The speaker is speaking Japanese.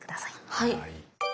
はい。